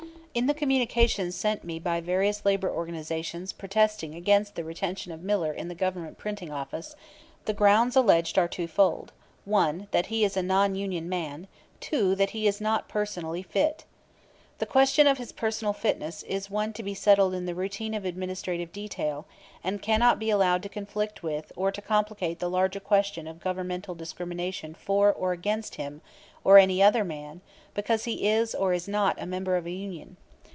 "In the communications sent me by various labor organizations protesting against the retention of Miller in the Government Printing Office, the grounds alleged are twofold: 1, that he is a non union man; 2, that he is not personally fit. The question of his personal fitness is one to be settled in the routine of administrative detail, and cannot be allowed to conflict with or to complicate the larger question of governmental discrimination for or against him or any other man because he is or is not a member of a union.